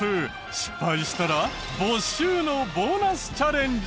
失敗したら没収のボーナスチャレンジ。